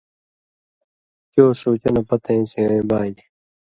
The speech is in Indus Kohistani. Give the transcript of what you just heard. چو سُوچہ نہ پتَیں سِوَیں بانیۡ